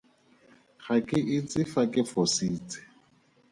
Ga ke itse fa ke fositse.